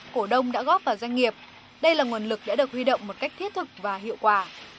cổ đông đã góp vào doanh nghiệp đây là nguồn lực đã được huy động một cách thiết thực và hiệu quả